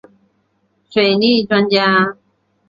水利专家。